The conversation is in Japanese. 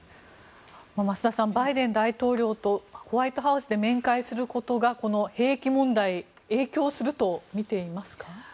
増田さんバイデン大統領とホワイトハウスで面会することがこの兵役問題に影響すると見ていますか。